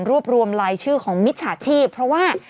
รวมลายชื่อของมิจฉาชีพเพราะว่า